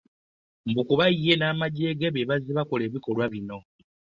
Mbu kuba ye n'amagye ge be bazze bakola ebikolwa bino.